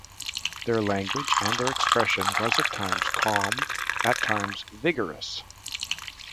Their language and their expression was at times calm, at times vigorous.